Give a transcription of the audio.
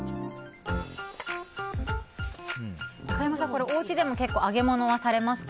中山さん、おうちでも結構、揚げ物はされますか？